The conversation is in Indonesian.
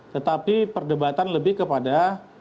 tetapi perdebatan lebih kepada